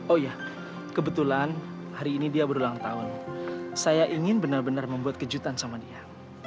oh ya kebetulan hari ini dia berulang tahun saya ingin benar benar membuat kejutan sama dia